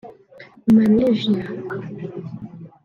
Malaisie